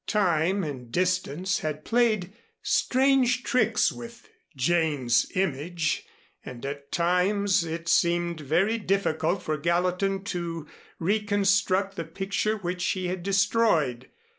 Time and distance had played strange tricks with Jane's image and at times it seemed very difficult for Gallatin to reconstruct the picture which he had destroyed.